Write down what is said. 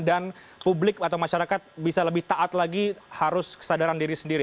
dan publik atau masyarakat bisa lebih taat lagi harus kesadaran diri sendiri